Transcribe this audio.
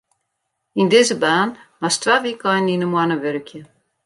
Yn dizze baan moatst twa wykeinen yn 'e moanne wurkje.